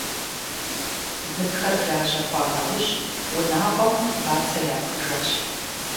Бынхэр лажьэ хъуа нэужь, унагъуэм бацэ япхъыжащ.